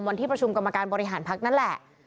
วันที่ประชุมกรรมการบริหารพักนั่นแหละ